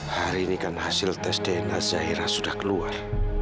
hari ini kan hasil tes dna zaira sudah keluar